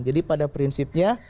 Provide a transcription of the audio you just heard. jadi pada prinsipnya